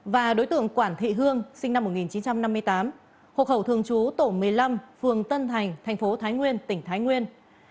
và đối tượng quản thị hương sinh năm một nghìn chín trăm năm mươi tám hộ khẩu thường trú tổ một mươi năm phường tân thành thành phố thái nguyên tỉnh thái nguyên